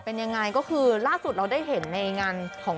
เป็นยังไงก็คือล่าสุดเราได้เห็นในงานของ